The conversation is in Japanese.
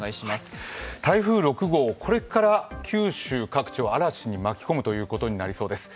台風６号、これから九州各地を嵐に巻き込むという形になりそうです。